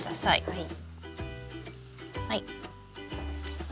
はい。